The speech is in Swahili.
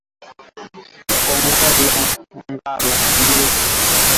Kongolo njala inaingi iyi mashiku